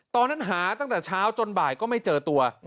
ตอนนั้นหาตั้งแต่เช้าจนบ่ายก็ไม่เจอตัว